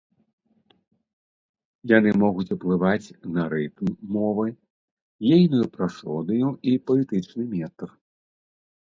Яны могуць уплываць на рытм мовы, ейную прасодыю і паэтычны метр.